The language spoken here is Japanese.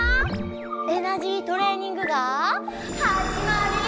エナジートレーニングがはじまるよ！